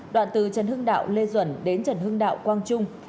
đoạn từ trần hương đạo lê duẩn đến trần hương đạo quang trung